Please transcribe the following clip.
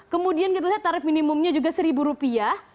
kemudian kita lihat tarif minimumnya juga seribu rupiah